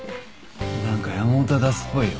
何か山本は出すっぽいよ。